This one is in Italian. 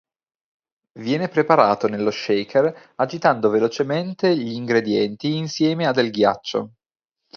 Viene preparato nello shaker agitando velocemente gli ingredienti insieme a del ghiaccio.